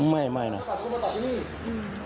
อืมกรามอะไรแบบนี้ไหม